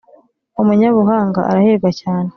Umunyabuhanga arahirwa cyane